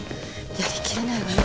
やりきれないわね。